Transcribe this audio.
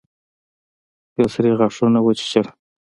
کلسري غاښونه وچيچل.